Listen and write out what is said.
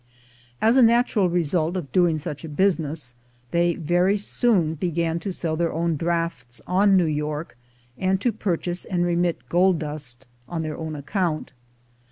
As a natural result of doing such a business, they very soon began to sell their own drafts on New York, and to purchase and remit gold dust on their own account.